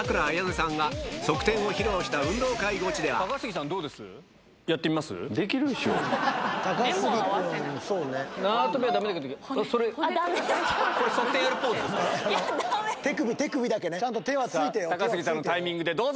さぁ高杉さんのタイミングでどうぞ！